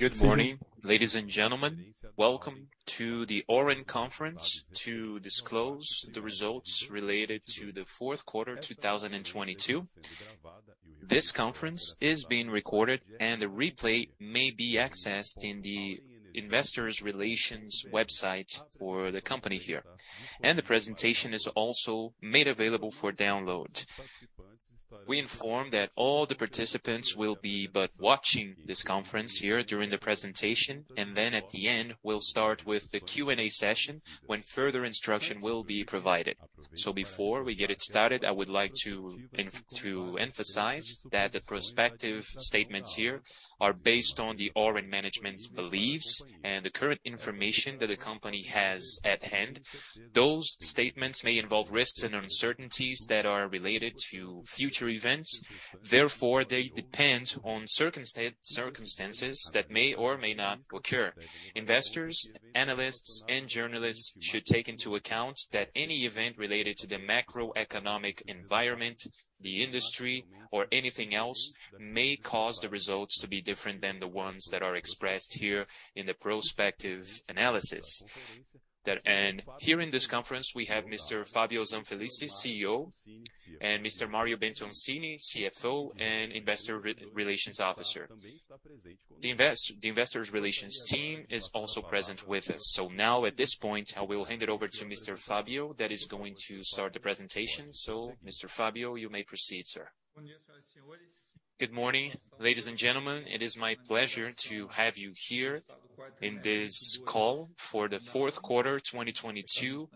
Good morning, ladies and gentlemen. Welcome to the Auren Conference to disclose the results related to the fourth quarter 2022. This conference is being recorded and a replay may be accessed in the investor relations website for the company here, and the presentation is also made available for download. We inform that all the participants will be but watching this conference here during the presentation and then at the end, we'll start with the Q&A session when further instruction will be provided. Before we get it started, I would like to emphasize that the prospective statements here are based on the Auren management's beliefs and the current information that the company has at hand. Those statements may involve risks and uncertainties that are related to future events. Therefore, they depend on circumstances that may or may not occur. Investors, analysts, and journalists should take into account that any event related to the macroeconomic environment, the industry or anything else may cause the results to be different than the ones that are expressed here in the prospective analysis. Here in this conference, we have Mr. Fabio Zanfelici, CEO, and Mr. Mario Bertoncini, CFO and Investor Relations Officer. The investors relations team is also present with us. Now at this point, I will hand it over to Mr. Fabio, that is going to start the presentation. Mr. Fabio, you may proceed, sir. Good morning, ladies and gentlemen. It is my pleasure to have you here in this call for the fourth quarter 2022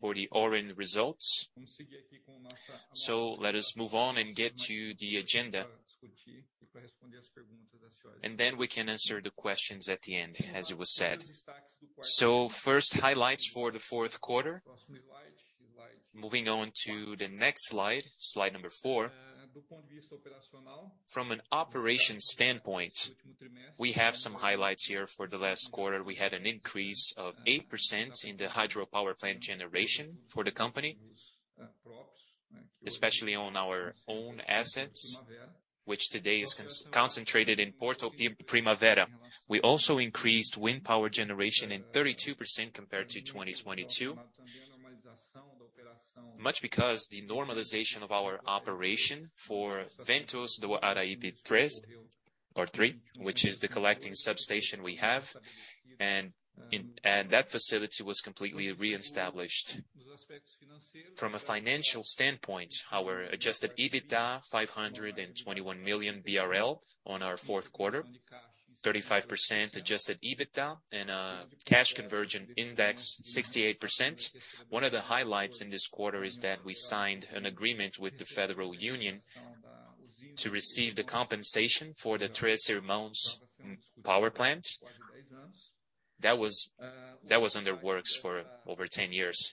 for the Auren results. Let us move on and get to the agenda. Then we can answer the questions at the end, as it was said. First highlights for the fourth quarter. Moving on to the next slide number four. From an operation standpoint, we have some highlights here for the last quarter. We had an increase of 8% in the hydropower plant generation for the company, especially on our own assets, which today is concentrated in Porto Primavera. We also increased wind power generation in 32% compared to 2022. Much because the normalization of our operation for Ventos do Araripe III or three, which is the collecting substation we have. That facility was completely reestablished. From a financial standpoint, our adjusted EBITDA, 521 million BRL on our fourth quarter, 35% adjusted EBITDA and cash conversion index 68%. One of the highlights in this quarter is that we signed an agreement with the Federal Union to receive the compensation for the Três Irmãos Power Plant. That was under works for over 10 years.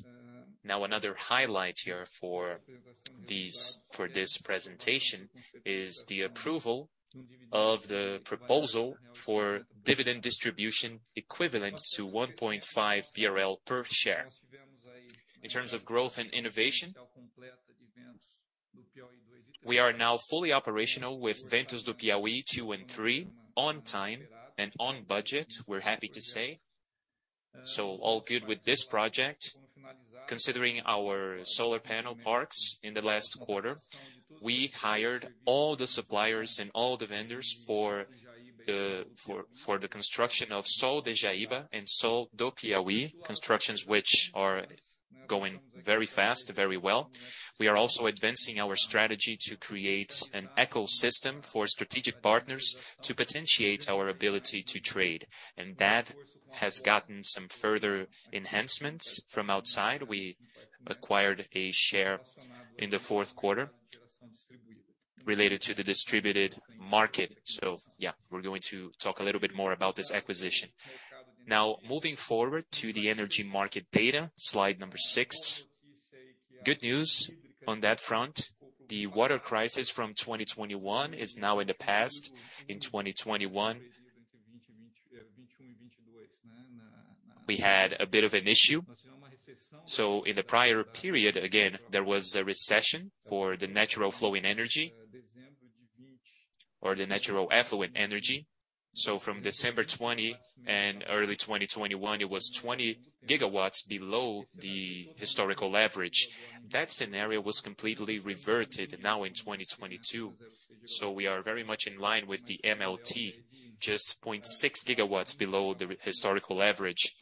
Another highlight here for this presentation is the approval of the proposal for dividend distribution equivalent to 1.5 BRL per share. In terms of growth and innovation, we are now fully operational with Ventos do Piauí II and III on time and on budget, we're happy to say. All good with this project. Considering our solar panel parks in the last quarter, we hired all the suppliers and all the vendors for the construction of Sol de Jaíba and Sol do Piauí, constructions which are going very fast, very well. We are also advancing our strategy to create an ecosystem for strategic partners to potentiate our ability to trade. That has gotten some further enhancements from outside. We acquired a share in the fourth quarter related to the distributed market. We're going to talk a little bit more about this acquisition. Moving forward to the energy market data, slide number six. Good news on that front. The water crisis from 2021 is now in the past. In 2021, we had a bit of an issue. In the prior period, again, there was a recession for the natural flow in energy or the Natural Affluent Energy. From December 20 and early 2021, it was 20 gigawatts below the historical average. That scenario was completely reverted now in 2022. We are very much in line with the MLT, just 0.6 gigawatts below the historical average.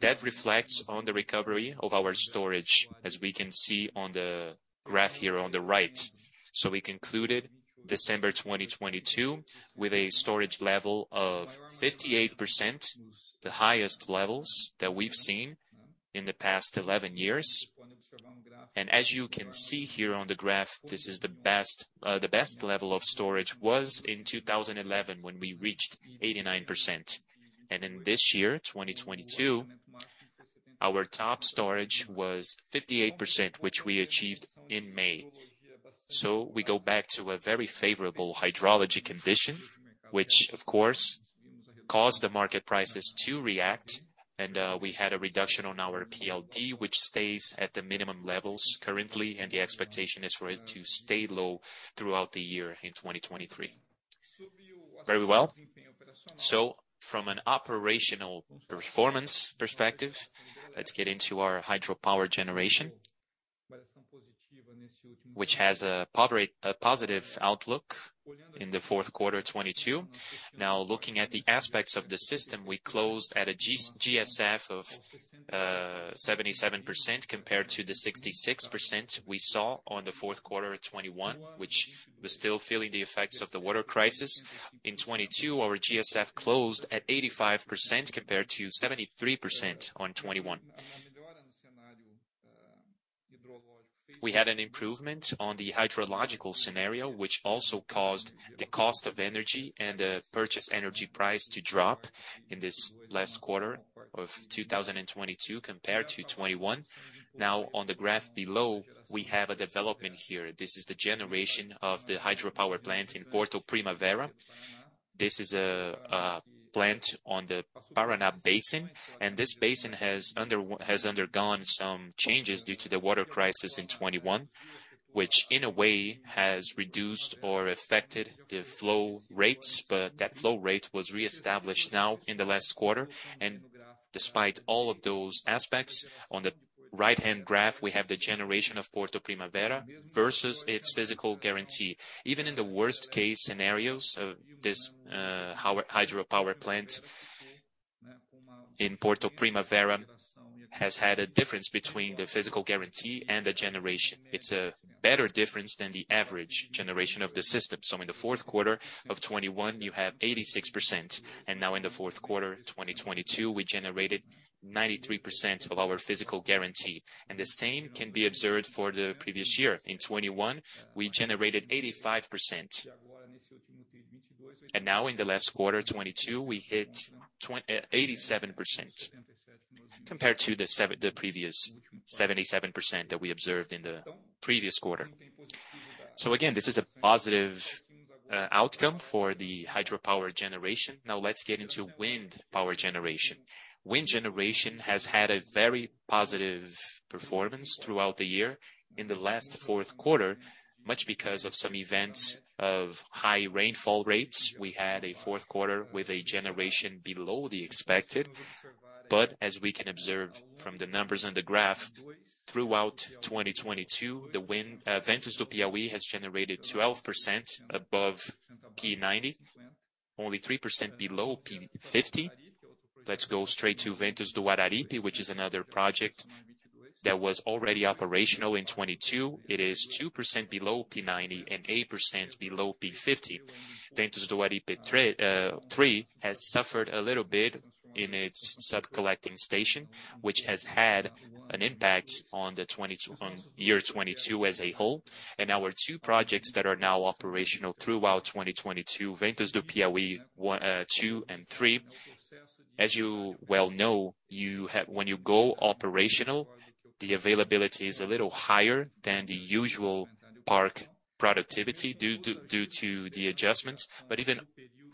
That reflects on the recovery of our storage, as we can see on the graph here on the right. We concluded December 2022 with a storage level of 58%, the highest levels that we've seen in the past 11 years. As you can see here on the graph, this is the best, the best level of storage was in 2011 when we reached 89%. In this year, 2022, our top storage was 58%, which we achieved in May. We go back to a very favorable hydrology condition, which of course cause the market prices to react, and we had a reduction on our PLD, which stays at the minimum levels currently, and the expectation is for it to stay low throughout the year in 2023. Very well. From an operational performance perspective, let's get into our hydropower generation, which has a positive outlook in the fourth quarter of 2022. Now, looking at the aspects of the system, we closed at a GSF of 77% compared to the 66% we saw on the fourth quarter of 2021, which was still feeling the effects of the water crisis. In 2022, our GSF closed at 85% compared to 73% on 2021.We had an improvement on the hydrological scenario, which also caused the cost of energy and the purchase energy price to drop in this last quarter of 2022 compared to 2021. On the graph below, we have a development here. This is the generation of the hydropower plant in Porto Primavera. This is a plant on theParaná Basin It's a better difference than the average generation of the system. In the fourth quarter of 2021, you have 86%, and now in the fourth quarter, 2022, we generated 93% of our Physical Guarantee. The same can be observed for the previous year. In 2021, we generated 85%. Now in the last quarter, 2022, we hit 87% compared to the previous 77% that we observed in the previous quarter. Again, this is a positive outcome for the hydropower generation. Now let's get into wind power generation. Wind generation has had a very positive performance throughout the year. In the last fourth quarter, much because of some events of high rainfall rates, we had a fourth quarter with a generation below the expected. As we can observe from the numbers on the graph, throughout 2022, the wind, Ventos do Piauí has generated 12% above P90, only 3% below P50. Let's go straight to Ventos do Araripe, which is another project that was already operational in 22. It is 2% below P90 and 8% below P50. Ventos do Araripe III has suffered a little bit in its sub-collecting station, which has had an impact on year 2022 as a whole. Our two projects that are now operational throughout 2022, Ventos do Piauí II and III. As you well know, When you go operational, the availability is a little higher than the usual park productivity due to the adjustments. Even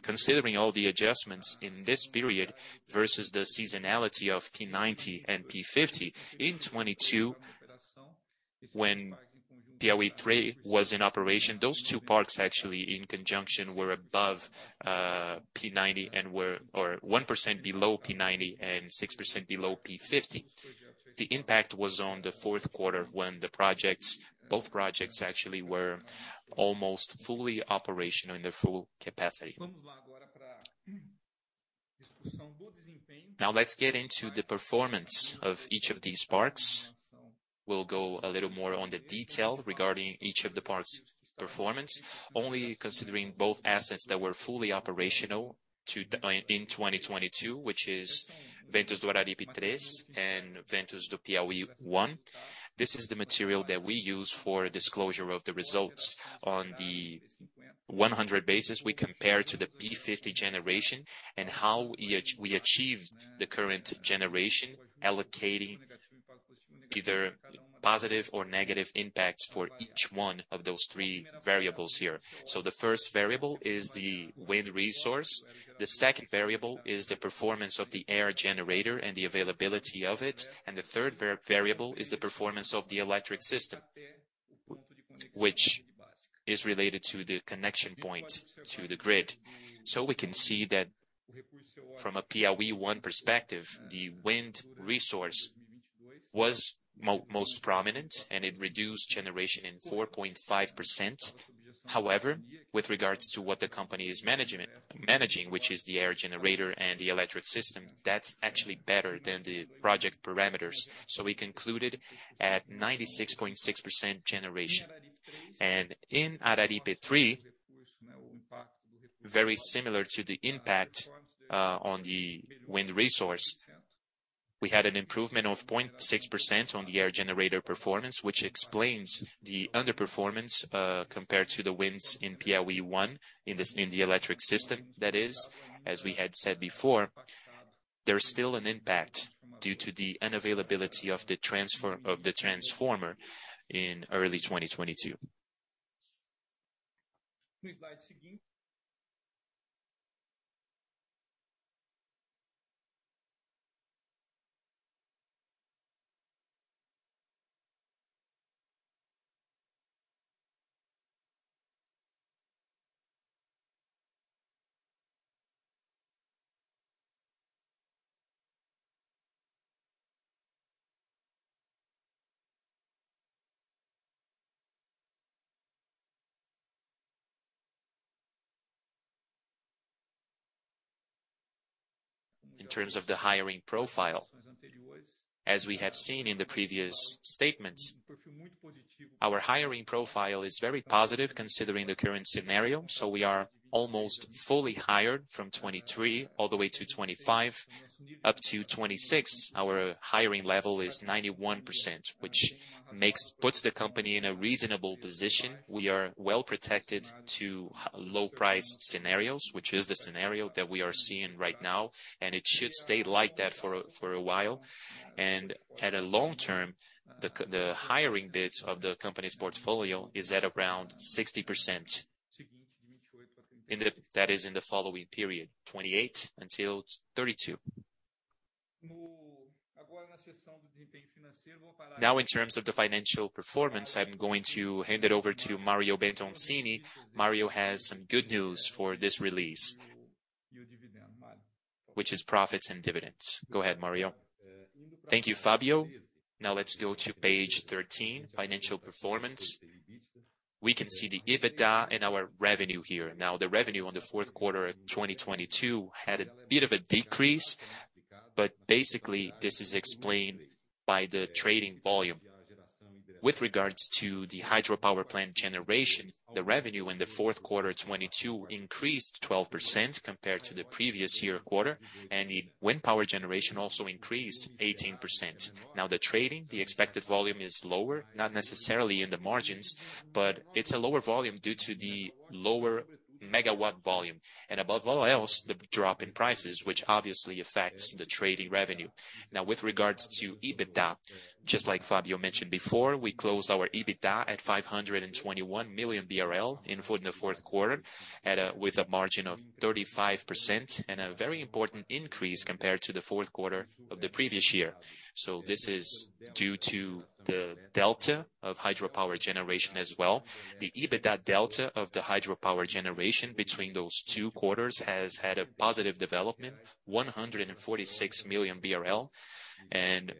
considering all the adjustments in this period versus the seasonality of P90 and P50, in 2022, when Piauí Three was in operation, those two parks actually in conjunction were above P90 and were, or 1% below P90 and 6% below P50. The impact was on the fourth quarter when the projects, both projects actually were almost fully operational in their full capacity. Let's get into the performance of each of these parks. We'll go a little more on the detail regarding each of the park's performance, only considering both assets that were fully operational in 2022, which is Ventos do Araripe III and Ventos do Piauí One. This is the material that we use for disclosure of the results. On the 100 basis, we compare to the P50 generation and how we achieved the current generation, allocating either positive or negative impacts for each one of those three variables here. The first variable is the wind resource. The second variable is the performance of the air generator and the availability of it. The third variable is the performance of the electric system, which is related to the connection point to the grid. We can see that from a Piauí One perspective, the wind resource was most prominent, and it reduced generation in 4.5%. However, with regards to what the company is managing, which is the air generator and the electric system, that's actually better than the project parameters. We concluded at 96.6% generation. In Ventos do Araripe III, very similar to the impact on the wind resource, we had an improvement of 0.6% on the air generator performance, which explains the underperformance compared to the winds in Piauí One in the electric system. That is, as we had said before, there's still an impact due to the unavailability of the transformer in early 2022. Please slide, seguinte. In terms of the hiring profile, as we have seen in the previous statements, our hiring profile is very positive considering the current scenario. We are almost fully hired from 23 all the way to 25, up to 26. Our hiring level is 91%, which puts the company in a reasonable position. We are well protected to low price scenarios, which is the scenario that we are seeing right now, and it should stay like that for a while. At a long term, the hiring bids of the company's portfolio is at around 60%. That is in the following period, 28 until 32. In terms of the financial performance, I'm going to hand it over to Mario Bertoncini. Mario has some good news for this release, which is profits and dividends. Go ahead, Mario. Thank you, Fabio. Let's go to page 13, financial performance. We can see the EBITDA and our revenue here. The revenue on the fourth quarter of 2022 had a bit of a decrease, but basically this is explained by the trading volume. With regards to the hydropower plant generation, the revenue in the fourth quarter 2022 increased 12% compared to the previous year quarter, and the wind power generation also increased 18%. The trading, the expected volume is lower, not necessarily in the margins, but it's a lower volume due to the lower megawatt volume. Above all else, the drop in prices, which obviously affects the trading revenue. With regards to EBITDA, just like Fabio mentioned before, we closed our EBITDA at 521 million BRL the fourth quarter with a margin of 35% and a very important increase compared to the fourth quarter of the previous year. This is due to the delta of hydropower generation as well. The EBITDA delta of the hydropower generation between those two quarters has had a positive development, 146 million BRL, and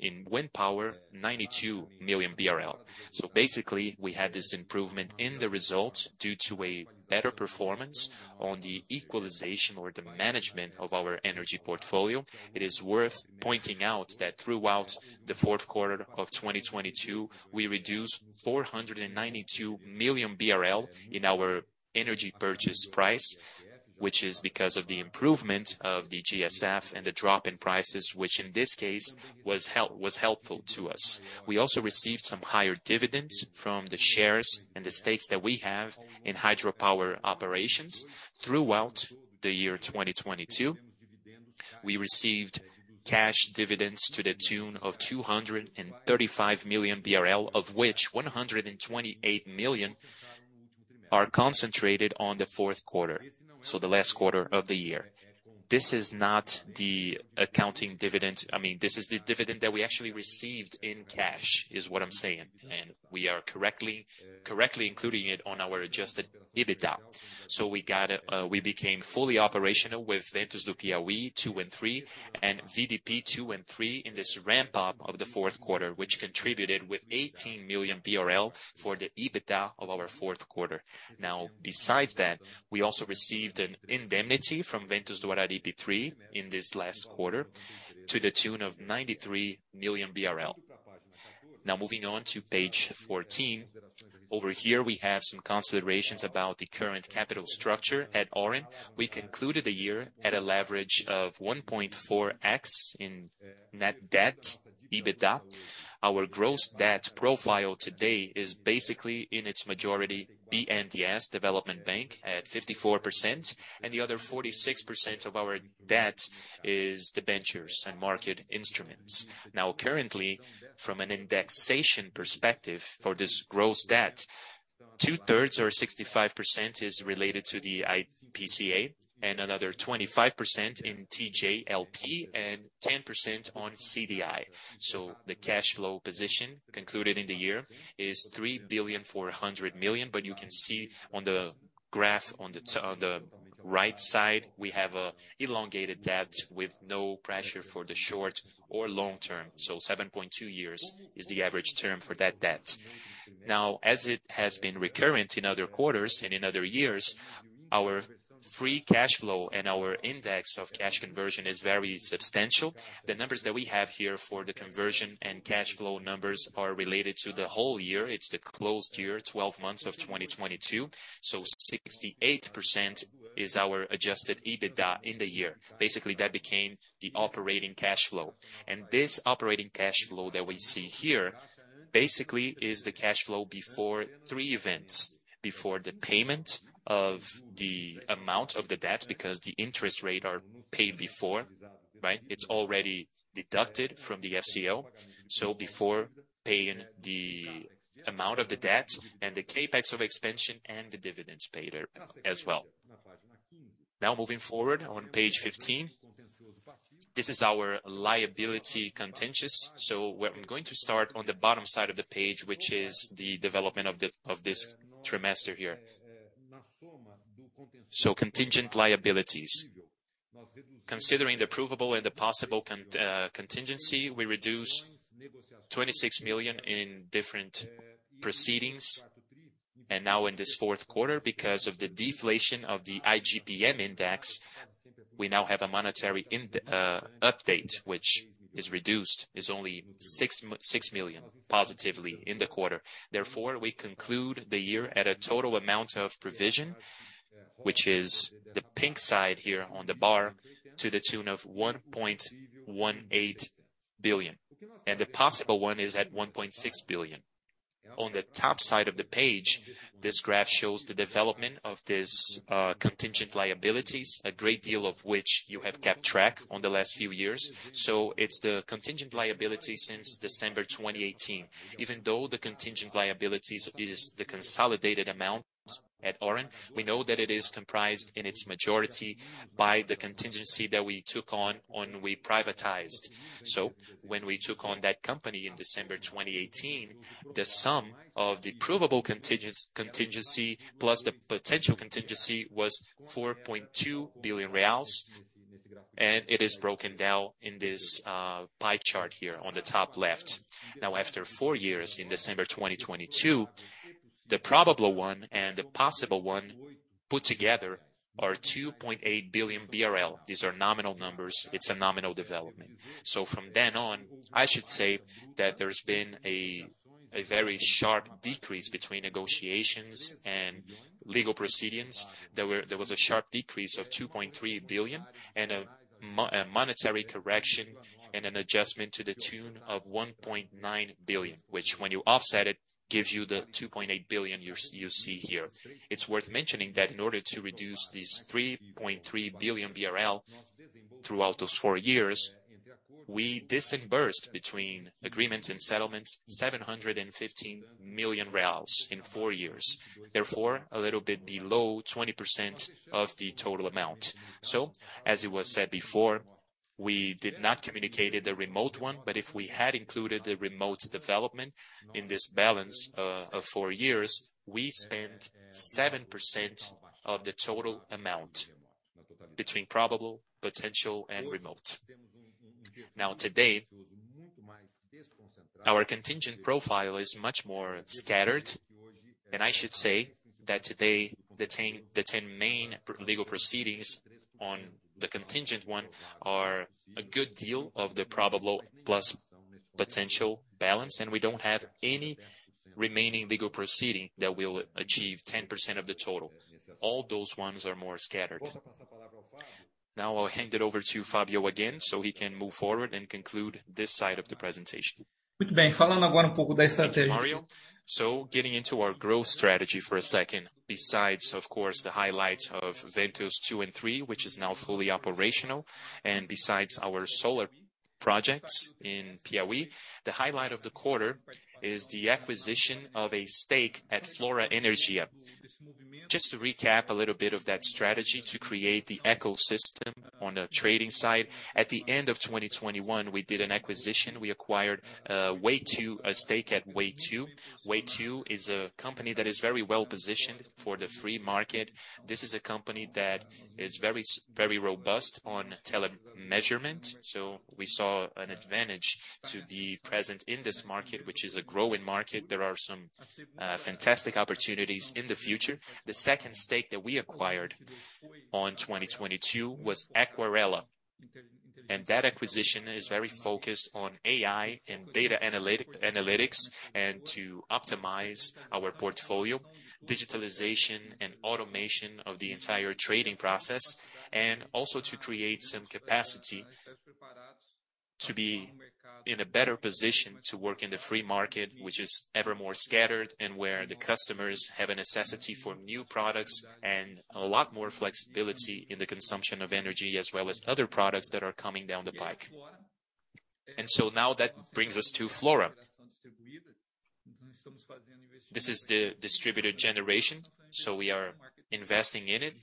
in wind power, 92 million BRL. Basically, we had this improvement in the results due to a better performance on the equalization or the management of our energy portfolio. It is worth pointing out that throughout the fourth quarter of 2022, we reduced 492 million BRL in our energy purchase price, which is because of the improvement of the GSF and the drop in prices, which in this case was helpful to us. We also received some higher dividends from the shares and the states that we have in hydropower operations throughout the year 2022. We received cash dividends to the tune of 235 million BRL, of which 128 million are concentrated on the fourth quarter. The last quarter of the year. This is not the accounting dividend. I mean, this is the dividend that we actually received in cash, is what I'm saying. We are correctly including it on our adjusted EBITDA. We got, we became fully operational with Ventos do Piauí II and III and VDP II and III in this ramp up of the fourth quarter, which contributed with 18 million BRL for the EBITDA of our fourth quarter. Besides that, we also received an indemnity from Ventos do Araripe III in this last quarter to the tune of 93 million BRL. Moving on to page 14. Over here we have some considerations about the current capital structure at Auren. We concluded the year at a leverage of 1.4x in net debt, EBITDA. Our gross debt profile today is basically in its majority BNDES Development Bank at 54%, and the other 46% of our debt is debentures and market instruments. Now currently, from an indexation perspective for this gross debt, two-thirds or 65% is related to the IPCA and another 25% in TJLP and 10% on CDI. The cash flow position concluded in the year is 3.4 billion but you can see on the graph on the right side, we have a elongated debt with no pressure for the short or long term. 7.2 years is the average term for that debt. As it has been recurrent in other quarters and in other years, our free cash flow and our index of cash conversion is very substantial. The numbers that we have here for the conversion and cash flow numbers are related to the whole year. It's the closed year, 12 months of 2022. 68% is our adjusted EBITDA in the year. Basically, that became the operating cash flow. This operating cash flow that we see here basically is the cash flow before three events. Before the payment of the amount of the debt, because the interest rate are paid before. Right, it's already deducted from the FCO, so before paying the amount of the debt and the CapEx of expansion and the dividends paid as well. Moving forward on page 15, this is our liability contentious. I'm going to start on the bottom side of the page, which is the development of this trimester here. Contingent liabilities. Considering the provable and the possible contingency, we reduce 26 million in different proceedings. Now in this fourth quarter, because of the deflation of the IGPM index, we now have a monetary update, which is reduced, is only 6 million positively in the quarter. Therefore, we conclude the year at a total amount of provision, which is the pink side here on the bar to the tune of 1.18 billion. The possible one is at 1.6 billion. On the top side of the page, this graph shows the development of this contingent liabilities, a great deal of which you have kept track on the last few years. It's the contingent liability since December 2018. Even though the contingent liabilities is the consolidated amount at Auren, we know that it is comprised in its majority by the contingency that we took on when we privatized. When we took on that company in December 2018, the sum of the provable contingency plus the potential contingency was 4.2 billion reais, and it is broken down in this pie chart here on the top left. After four years, in December 2022, the probable one and the possible one put together are 2.8 billion BRL. These are nominal numbers. It's a nominal development. From then on, I should say that there's been a very sharp decrease between negotiations and legal proceedings. There was a sharp decrease of 2.3 billion and a monetary correction and an adjustment to the tune of 1.9 billion, which when you offset it, gives you the 2.8 billion you see here. It's worth mentioning that in order to reduce these 3.3 billion BRL throughout those four years, we disbursed between agreements and settlements, 715 million reais in four years, therefore, a little bit below 20% of the total amount. As it was said before, we did not communicate it, the remote one, but if we had included the remote development in this balance, of four years, we spent 7% of the total amount between probable, potential, and remote. Today, our contingent profile is much more scattered. I should say that today, the 10 main legal proceedings on the contingent one are a good deal of the probable plus potential balance, and we don't have any remaining legal proceeding that will achieve 10% of the total. All those ones are more scattered. I'll hand it over to Fabio again, so he can move forward and conclude this side of the presentation. Thank you, Mario. Getting into our growth strategy for a second, besides, of course, the highlights of Ventus Two and Three, which is now fully operational, and besides our solar projects in Piauí, the highlight of the quarter is the acquisition of a stake at Flora Energia. Just to recap a little bit of that strategy to create the ecosystem on the trading side, at the end of 2021, we did an acquisition. We acquired Way2, a stake at Way2. Way2 is a company that is very robust on Telemeasurement. We saw an advantage to be present in this market, which is a growing market. There are some fantastic opportunities in the future. The second stake that we acquired on 2022 was Aquarela. That acquisition is very focused on AI and data analytics and to optimize our portfolio, digitalization and automation of the entire trading process, and also to create some capacity to be in a better position to work in the free market, which is ever more scattered and where the customers have a necessity for new products and a lot more flexibility in the consumption of energy, as well as other products that are coming down the pike. Now that brings us to Flora. This is the distributed generation, so we are investing in it,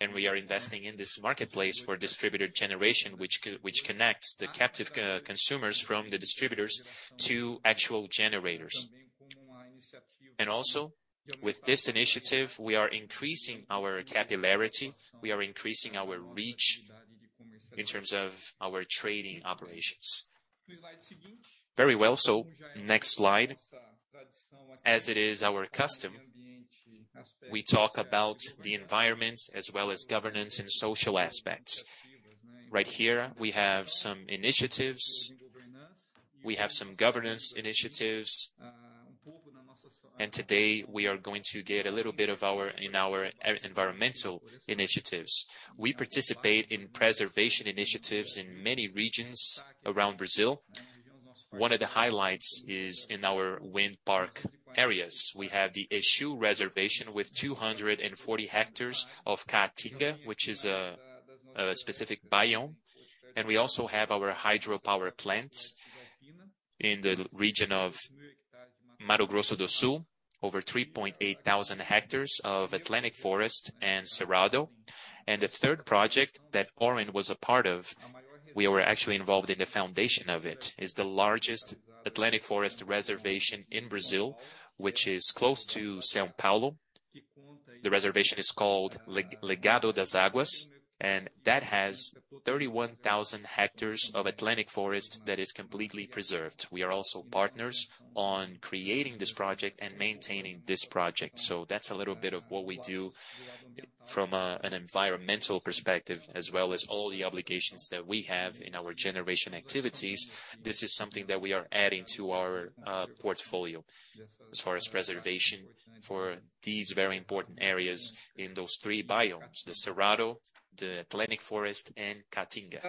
and we are investing in this marketplace for distributed generation, which connects the captive consumers from the distributors to actual generators. Also, with this initiative, we are increasing our capillarity, we are increasing our reach in terms of our trading operations. Very well. Next slide. As it is our custom, we talk about the environments as well as governance and social aspects. Here we have some governance initiatives. Today we are going to get a little bit in our environmental initiatives. We participate in preservation initiatives in many regions around Brazil. One of the highlights is in our wind park areas. We have the Reserva de Exu with 240 hectares of Caatinga, which is a specific biome. We also have our hydropower plants in the region of Mato Grosso do Sul, over 3,800 hectares of Atlantic Forest and Cerrado. The third project that Auren was a part of, we were actually involved in the foundation of it, is the largest Atlantic Forest reservation in Brazil, which is close to São Paulo. The reservation is called Legado das Águas , that has 31,000 hectares of Atlantic Forest that is completely preserved. We are also partners on creating this project and maintaining this project. That's a little bit of what we do from an environmental perspective, as well as all the obligations that we have in our generation activities. This is something that we are adding to our portfolio as far as preservation for these very important areas in those three biomes, the Cerrado, the Atlantic Forest, and Caatinga.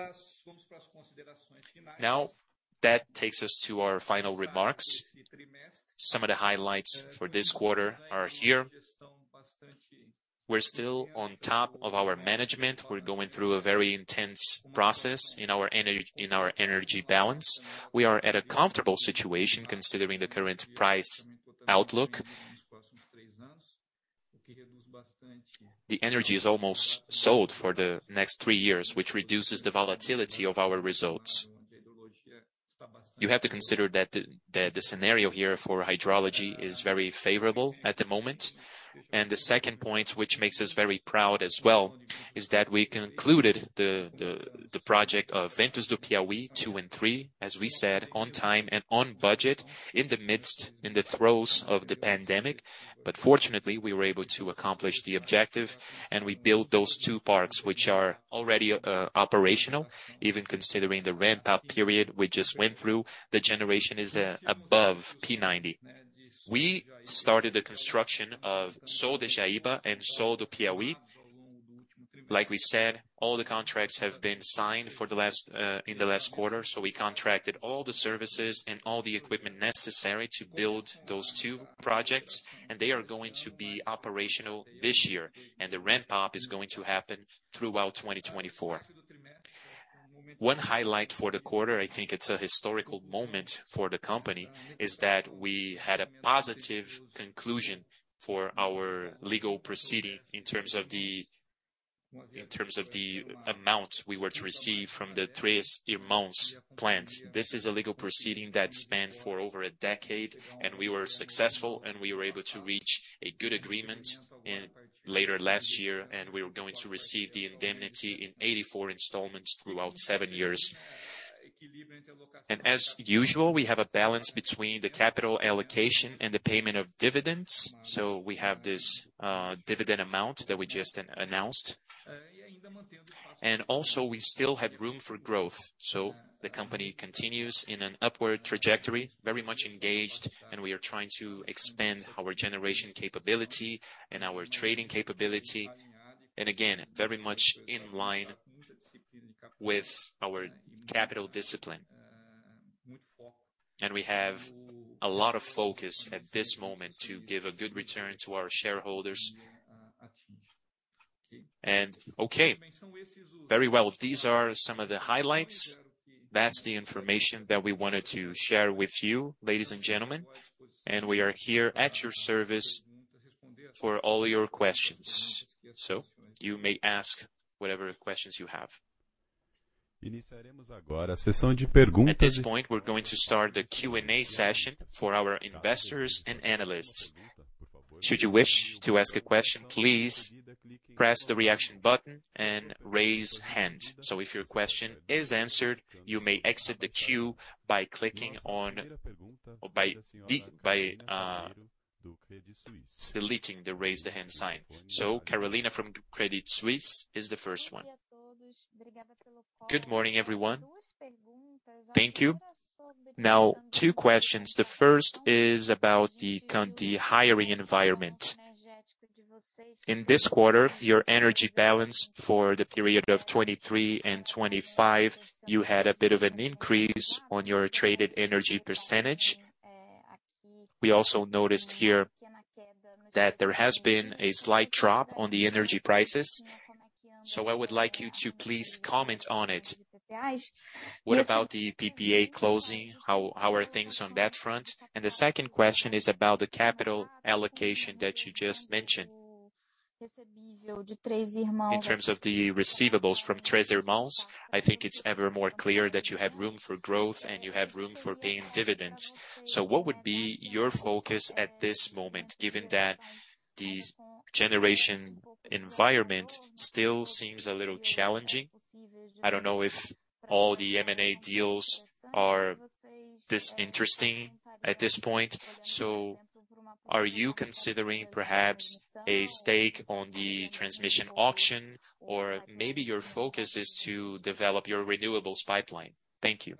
That takes us to our final remarks. Some of the highlights for this quarter are here. We're still on top of our management. We're going through a very intense process in our energy balance. We are at a comfortable situation considering the current price outlook. The energy is almost sold for the next three years, which reduces the volatility of our results. You have to consider that the scenario here for hydrology is very favorable at the moment. The second point, which makes us very proud as well, is that we concluded the project of Ventos do Piauí II and III, as we said, on time and on budget, in the throes of the pandemic. Fortunately, we were able to accomplish the objective, and we built those two parks, which are already operational. Even considering the ramp-up period we just went through, the generation is above P90. We started the construction of Sol de Jaíba and Sol do Piauí. Like we said, all the contracts have been signed for the last, in the last quarter, so we contracted all the services and all the equipment necessary to build those two projects, and they are going to be operational this year, and the ramp-up is going to happen throughout 2024. One highlight for the quarter, I think it's a historical moment for the company, is that we had a positive conclusion for our legal proceeding in terms of the, in terms of the amount we were to receive from the Três Irmãos plant. This is a legal proceeding that spanned for over a decade, and we were successful, and we were able to reach a good agreement later last year, and we were going to receive the indemnity in 84 installments throughout seven years. As usual, we have a balance between the capital allocation and the payment of dividends. We have this dividend amount that we just announced. We still have room for growth. The company continues in an upward trajectory, very much engaged, and we are trying to expand our generation capability and our trading capability, and again, very much in line with our capital discipline. We have a lot of focus at this moment to give a good return to our shareholders. Okay. Very well. These are some of the highlights. That's the information that we wanted to share with you, ladies and gentlemen, and we are here at your service for all your questions. You may ask whatever questions you have. At this point, we're going to start the Q&A session for our investors and analysts. Should you wish to ask a question, please press the reaction button and raise hand. If your question is answered, you may exit the queue by clicking on or by deleting the raise the hand sign. Carolina from Credit Suisse is the first one. Good morning, everyone. Thank you. Two questions. The first is about the hiring environment. In this quarter, your energy balance for the period of 23 and 25, you had a bit of an increase on your traded energy percentage. We also noticed here that there has been a slight drop on the energy prices. I would like you to please comment on it. What about the PPA closing? How are things on that front? The second question is about the capital allocation that you just mentioned. In terms of the receivables from Três Irmãos, I think it's ever more clear that you have room for growth and you have room for paying dividends. What would be your focus at this moment, given that the generation environment still seems a little challenging? I don't know if all the M&A deals are this interesting at this point. Are you considering perhaps a stake on the transmission auction? Or maybe your focus is to develop your renewables pipeline? Thank you.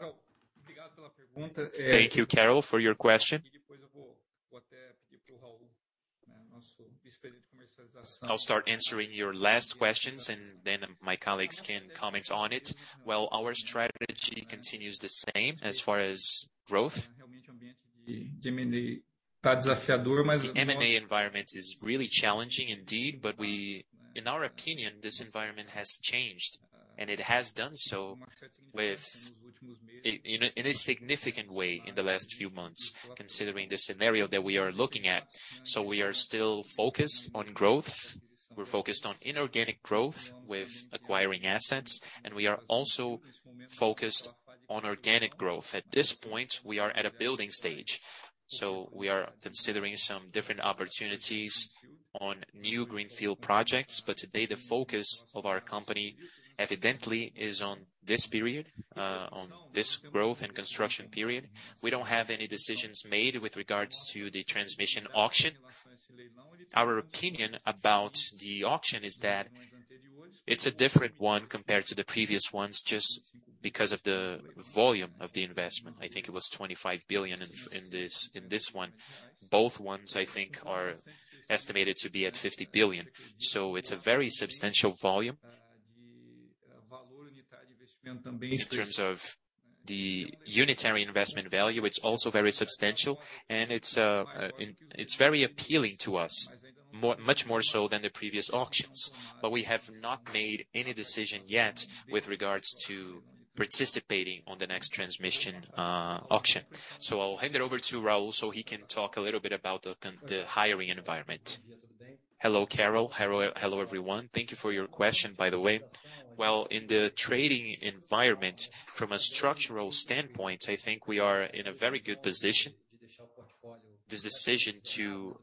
Thank you, Carol, for your question. I'll start answering your last questions and then my colleagues can comment on it. Our strategy continues the same as far as growth. The M&A environment is really challenging indeed, but in our opinion, this environment has changed, and it has done so in a significant way in the last few months, considering the scenario that we are looking at. We are still focused on growth, we're focused on inorganic growth with acquiring assets, and we are also focused on organic growth. At this point, we are at a building stage, so we are considering some different opportunities on new greenfield projects. Today, the focus of our company evidently is on this period, on this growth and construction period. We don't have any decisions made with regards to the transmission auction. Our opinion about the auction is that it's a different one compared to the previous ones, just because of the volume of the investment. I think it was 25 billion in this, in this one. Both ones I think are estimated to be at 50 billion. It's a very substantial volume. In terms of the unitary investment value, it's also very substantial and it's very appealing to us, much more so than the previous auctions. We have not made any decision yet with regards to participating on the next transmission auction. I'll hand it over to Raul so he can talk a little bit about the hiring environment. Hello, Carol. Hello, everyone. Thank you for your question, by the way. In the trading environment, from a structural standpoint, I think we are in a very good position. This decision to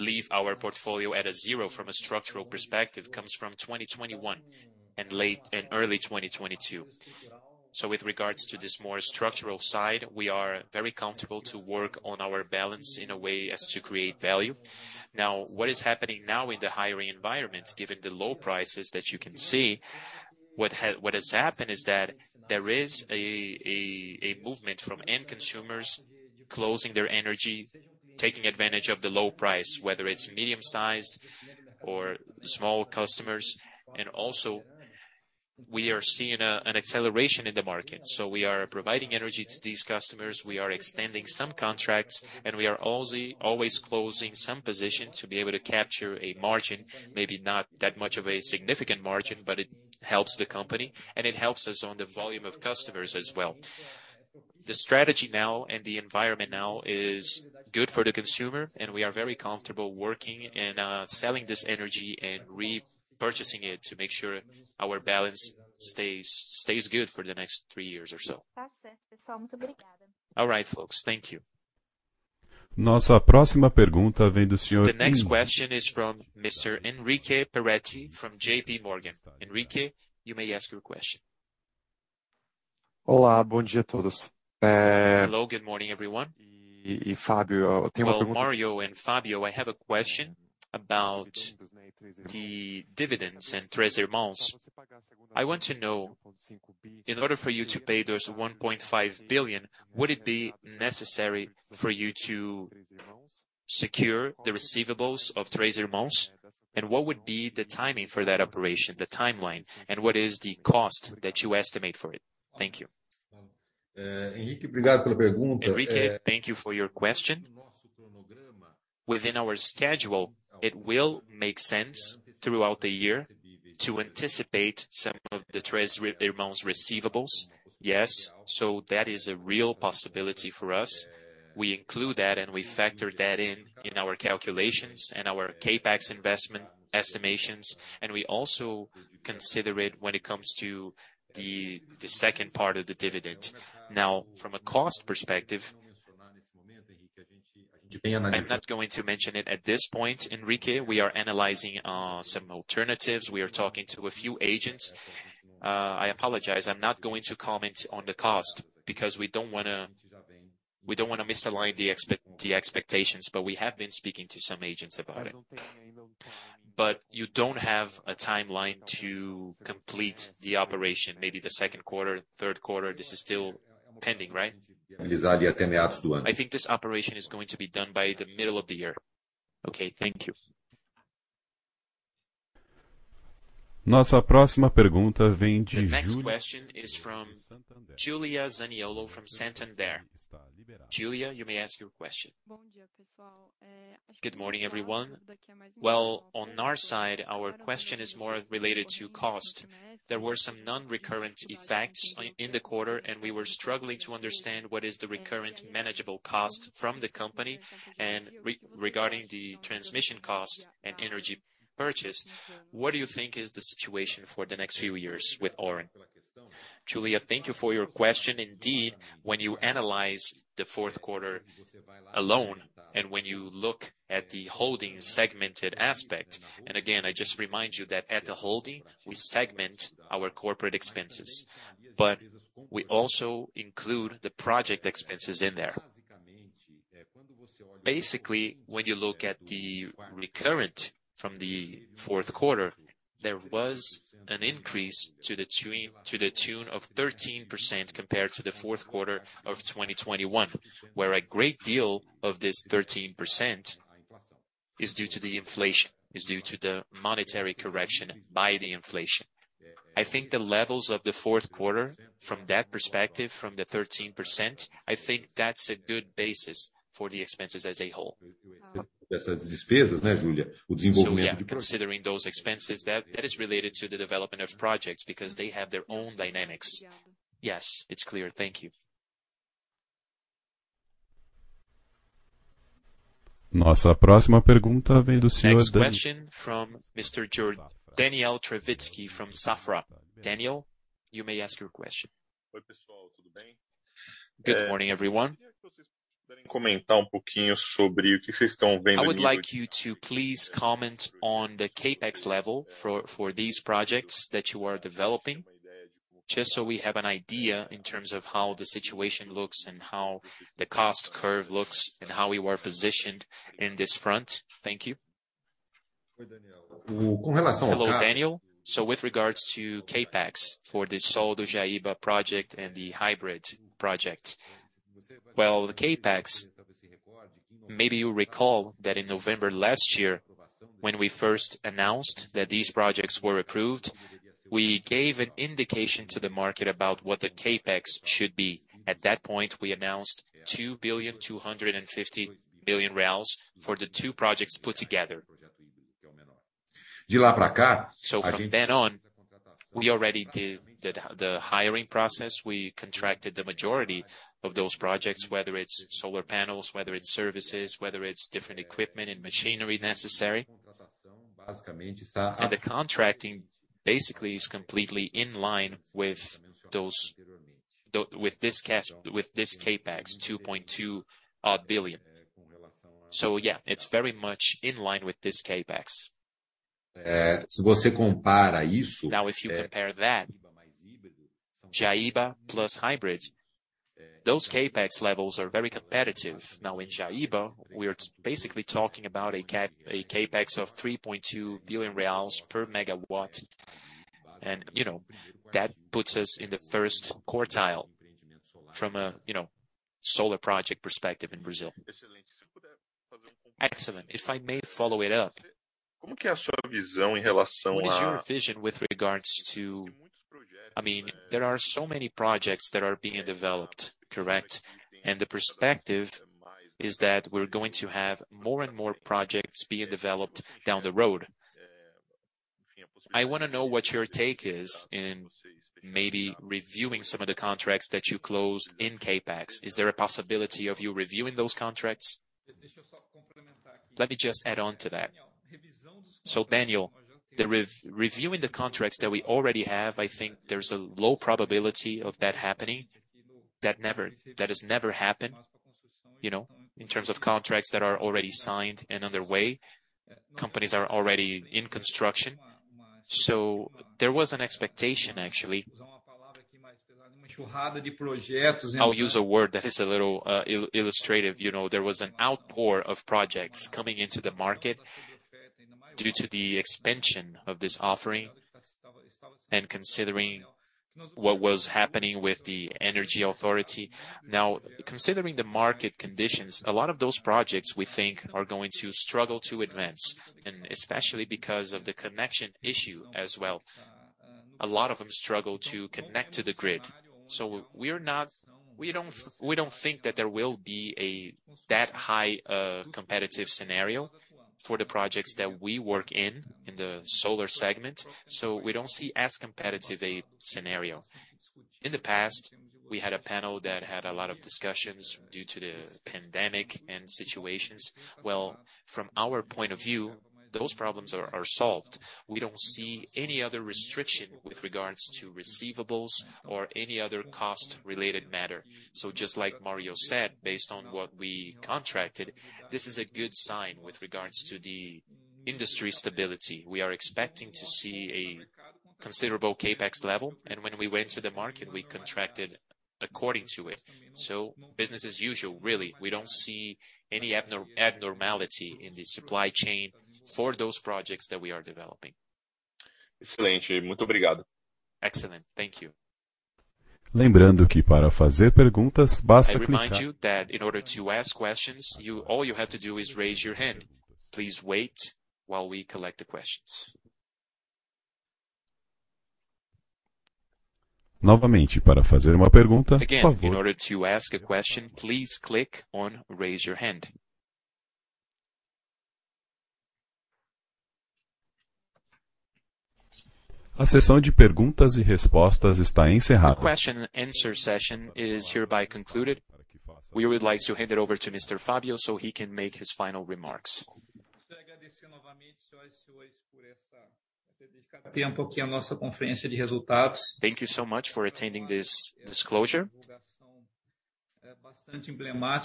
leave our portfolio at a zero from a structural perspective comes from 2021 and early 2022. With regards to this more structural side, we are very comfortable to work on our balance in a way as to create value. What is happening now in the hiring environment, given the low prices that you can see, what has happened is that there is a movement from end consumers closing their energy, taking advantage of the low price, whether it's medium-sized or small customers. Also, we are seeing an acceleration in the market. We are providing energy to these customers, we are extending some contracts, and we are also always closing some positions to be able to capture a margin. Maybe not that much of a significant margin, but it helps the company and it helps us on the volume of customers as well. The strategy now and the environment now is good for the consumer. We are very comfortable working and selling this energy and repurchasing it to make sure our balance stays good for the next three years or so. All right, folks. Thank you. Nossa próxima pergunta vem do. The next question is from Mr. Henrique Peretti from JP Morgan. Henrique, you may ask your question. Hello, good morning, everyone. Well, Mario and Fabio, I have a question about the dividends in Três Irmãos. I want to know, in order for you to pay those 1.5 billion, would it be necessary for you to secure the receivables of Três Irmãos? What would be the timing for that operation, the timeline, and what is the cost that you estimate for it? Thank you. Henrique, thank you for your question. Within our schedule, it will make sense throughout the year to anticipate some of the Três Irmãos receivables. Yes. That is a real possibility for us. We include that, and we factor that in in our calculations and our CapEx investment estimations, and we also consider it when it comes to the second part of the dividend. From a cost perspective, I'm not going to mention it at this point, Henrique. We are analyzing some alternatives. We are talking to a few agents. I apologize, I'm not going to comment on the cost because we don't wanna, we don't wanna misalign the expectations, but we have been speaking to some agents about it. You don't have a timeline to complete the operation, maybe the second quarter, third quarter, this is still pending, right? I think this operation is going to be done by the middle of the year. Okay. Thank you. Nossa próxima pergunta vem de Julia. The next question is from Julia Zaniolo from Santander. Julia, you may ask your question. Good morning, everyone. Well, on our side, our question is more related to cost. There were some non-recurrent effects in the quarter, and we were struggling to understand what is the recurrent manageable cost from the company. Regarding the transmission cost and energy purchase, what do you think is the situation for the next few years with Auren? Julia, thank you for your question. Indeed, when you analyze the fourth quarter alone and when you look at the holding segmented aspect, and again, I just remind you that at the holding, we segment our corporate expenses, but we also include the project expenses in there. When you look at the recurrent from the fourth quarter, there was an increase to the tune of 13% compared to the fourth quarter of 2021, where a great deal of this 13% is due to the inflation, is due to the monetary correction by the inflation. I think the levels of the fourth quarter from that perspective, from the 13%, I think that's a good basis for the expenses as a whole. Considering those expenses, that is related to the development of projects because they have their own dynamics. Yes, it's clear. Thank you. Next question from Daniel Travitzky from Safra. Daniel, you may ask your question. Good morning, everyone. I would like you to please comment on the CapEx level for these projects that you are developing, just so we have an idea in terms of how the situation looks and how the cost curve looks and how we were positioned in this front. Thank you. Hello, Daniel. With regards to CapEx for the Sol do Jaíba project and the hybrid project. The CapEx, maybe you recall that in November last year, when we first announced that these projects were approved, we gave an indication to the market about what the CapEx should be. At that point, we announced 2.25 billion for the two projects put together. From then on, we already did the hiring process. We contracted the majority of those projects, whether it's solar panels, whether it's services, whether it's different equipment and machinery necessary. The contracting basically is completely in line with this CapEx, 2.2 odd billion. Yeah, it's very much in line with this CapEx. If you compare that, Jaíba plus hybrid, those CapEx levels are very competitive. In Jaíba, we are basically talking about a CapEx of 3.2 billion reais per megawatt. You know, that puts us in the first quartile from a, you know, solar project perspective in Brazil. Excellent. If I may follow it up. What is your vision with regards to... I mean, there are so many projects that are being developed, correct? The perspective is that we're going to have more and more projects being developed down the road. I wanna know what your take is in maybe reviewing some of the contracts that you close in CapEx. Is there a possibility of you reviewing those contracts? Let me just add on to that. Daniel, reviewing the contracts that we already have, I think there's a low probability of that happening. That has never happened, you know, in terms of contracts that are already signed and underway. Companies are already in construction. There was an expectation, actually. I'll use a word that is a little ill-illustrative. You know, there was an outpour of projects coming into the market due to the expansion of this offering and considering what was happening with the energy authority. Considering the market conditions, a lot of those projects we think are going to struggle to advance, and especially because of the connection issue as well. A lot of them struggle to connect to the grid. We don't think that there will be a that high competitive scenario for the projects that we work in the solar segment. We don't see as competitive a scenario. In the past, we had a panel that had a lot of discussions due to the pandemic and situations. From our point of view, those problems are solved. We don't see any other restriction with regards to receivables or any other cost-related matter. Just like Mario said, based on what we contracted, this is a good sign with regards to the industry stability. We are expecting to see a considerable CapEx level, and when we went to the market, we contracted according to it. Business as usual, really. We don't see any abnormality in the supply chain for those projects that we are developing. Excellent. Thank you. I remind you that in order to ask questions, all you have to do is raise your hand. Please wait while we collect the questions. Again, in order to ask a question, please click on Raise Your Hand. The question and answer session is hereby concluded. We would like to hand it over to Mr. Fabio so he can make his final remarks. Thank you so much for attending this disclosure.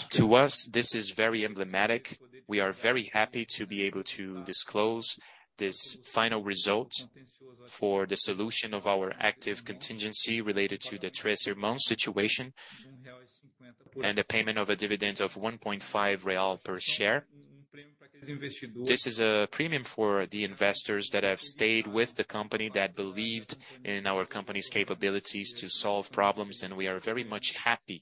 To us, this is very emblematic. We are very happy to be able to disclose this final result for the solution of our active contingency related to the Três Irmãos situation, and the payment of a dividend of 1.5 real per share. This is a premium for the investors that have stayed with the company, that believed in our company's capabilities to solve problems, and we are very much happy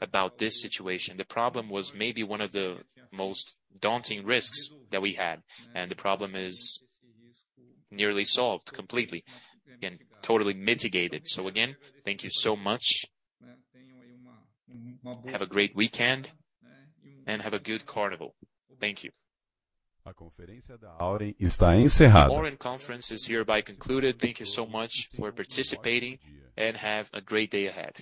about this situation. The problem was maybe one of the most daunting risks that we had, and the problem is nearly solved completely and totally mitigated. Again, thank you so much. Have a great weekend, and have a good carnival. Thank you. The Auren conference is hereby concluded. Thank you so much for participating, and have a great day ahead.